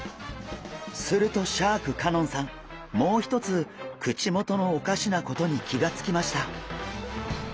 するとシャーク香音さんもう一つ口元のおかしなことに気がつきました。